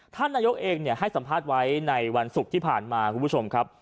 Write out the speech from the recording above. ท่านนายกเองให้สัมภาษณ์ไว้ในวันศุกร์ที่ผ่านมาคุณผู้ชมครับ